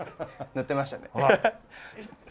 塗ってましたね。